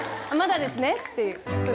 まだですねっていう。